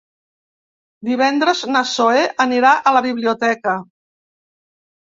Divendres na Zoè anirà a la biblioteca.